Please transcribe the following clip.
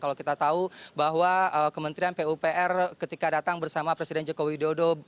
kalau kita tahu bahwa kementerian pupr ketika datang bersama presiden joko widodo